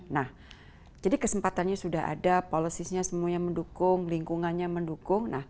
nah jadi kesempatannya sudah ada policy nya semuanya mendukung lingkungannya mendukung